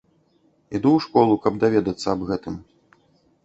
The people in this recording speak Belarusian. Іду ў школу, каб даведацца аб гэтым.